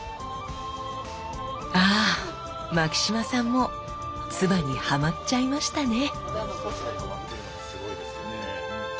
あぁ牧島さんも鐔にハマっちゃいましたね。